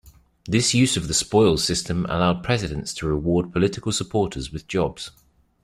This use of the spoils system allowed presidents to reward political supporters with jobs.